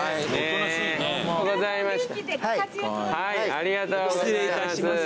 ありがとうございます。